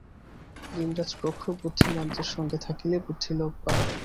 দিনরাত প্রখর বুদ্ধিমানদের সঙ্গে থাকিলে বুদ্ধি লোপ পায়।